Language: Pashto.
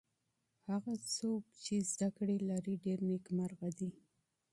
هغه څوک چی علم لري ډېر نیکمرغه دی.